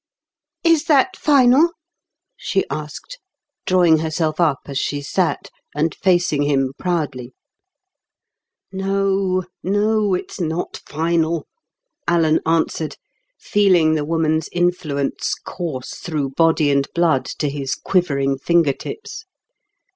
"Is that final?" she asked, drawing herself up as she sat, and facing him proudly. "No, no, it's not final," Alan answered, feeling the woman's influence course through body and blood to his quivering fingertips.